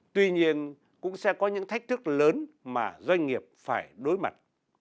tuy nhiên cũng sẽ có những thách thức lớn mà doanh nghiệp phải đối mặt